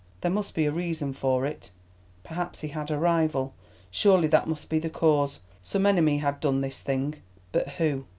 There must be a reason for it. Perhaps he had a rival, surely that must be the cause. Some enemy had done this thing. But who?